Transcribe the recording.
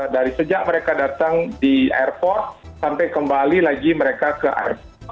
dari sejak mereka datang di airport sampai kembali lagi mereka ke airport